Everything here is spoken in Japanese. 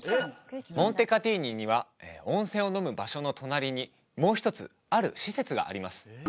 モンテカティーニには温泉を飲む場所の隣にもう一つある施設があります